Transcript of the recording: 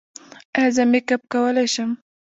ایا زه میک اپ کولی شم؟